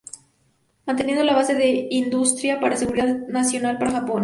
Manteniendo la base de industria para seguridad nacional para Japón.